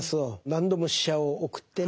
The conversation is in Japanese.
何度も使者を送ってね